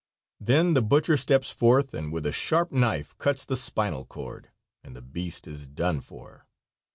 Then the butcher steps forth and with a sharp knife cuts the spinal cord, and the beast is done for.